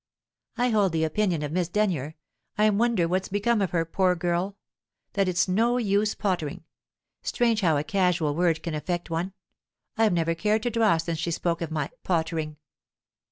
"I hold the opinion of Miss Denyer I wonder what's become of her, poor girl? that it's no use 'pottering.' Strange how a casual word can affect one. I've never cared to draw since she spoke of my 'pottering.'"